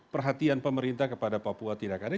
perhatian pemerintah kepada papua tidak ada